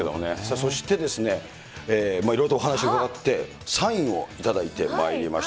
そしていろいろとお話伺って、サインを頂いてまいりました。